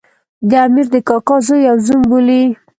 د امیر د کاکا زوی او زوم بولي.